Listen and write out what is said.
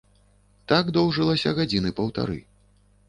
Так доўжылася гадзіны паўтары.